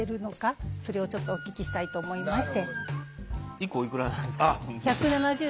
１個おいくらなんですか？